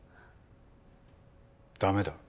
駄目だ。